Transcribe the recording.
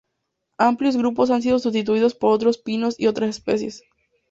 Amplios grupos han sido sustituidos por otros pinos y otras especies.